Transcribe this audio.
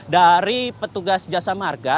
dari petugas jasa marga